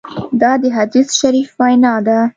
دا د حدیث شریف وینا ده.